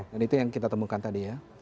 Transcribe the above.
dan itu yang kita temukan tadi ya